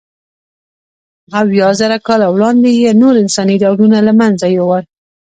اویازره کاله وړاندې یې نور انساني ډولونه له منځه یووړل.